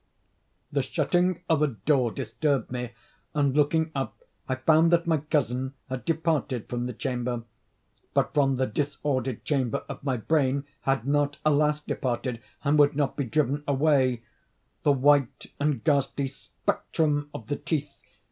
The shutting of a door disturbed me, and, looking up, I found that my cousin had departed from the chamber. But from the disordered chamber of my brain, had not, alas! departed, and would not be driven away, the white and ghastly spectrum of the teeth.